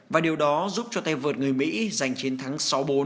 và điều đó giúp cho tay vợt người mỹ giành chiến thắng sáu bốn